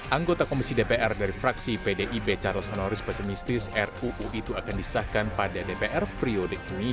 anggota komisi dpr dari fraksi pdib charles honoris pesimistis ruu itu akan disahkan pada dpr prioritas ini